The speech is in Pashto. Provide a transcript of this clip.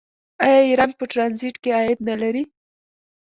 آیا ایران په ټرانزیټ کې عاید نلري؟